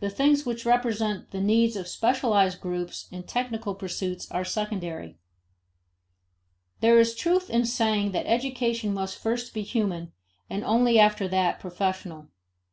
The things which represent the needs of specialized groups and technical pursuits are secondary. There is truth in the saying that education must first be human and only after that professional.